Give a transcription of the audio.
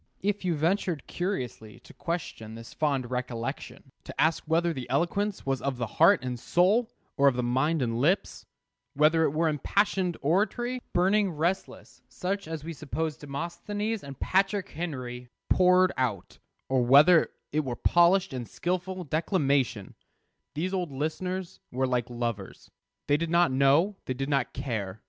If you ventured curiously to question this fond recollection, to ask whether the eloquence was of the heart and soul, or of the mind and lips; whether it were impassioned oratory, burning, resistless, such as we suppose Demosthenes and Patrick Henry poured out; or whether it were polished and skilful declamation those old listeners were like lovers. They did not know; they did not care.